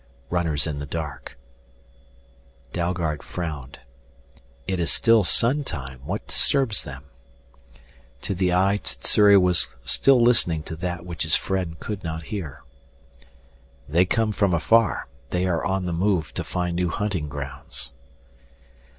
"Runners in the dark " Dalgard frowned. "It is still sun time. What disturbs them?" To the eye Sssuri was still listening to that which his friend could not hear. "They come from afar. They are on the move to find new hunting grounds."